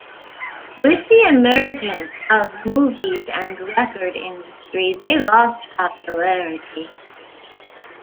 With the emergence of movies and record industry, they lost popularity.